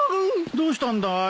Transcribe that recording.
どうしたんだい？